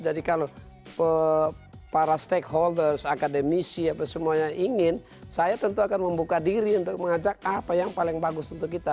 jadi kalau para stakeholders akademisi apa semuanya ingin saya tentu akan membuka diri untuk mengajak apa yang paling bagus untuk kita